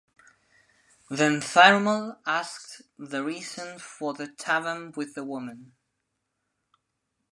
Then Thirumal asked the reason for the Tavam with the woman.